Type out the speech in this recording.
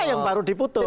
ini yang baru diputus